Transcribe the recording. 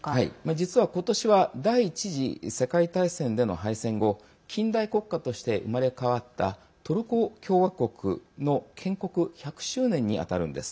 実は今年は第１次世界大戦での敗戦後近代国家として生まれ変わったトルコ共和国の建国１００周年にあたるんです。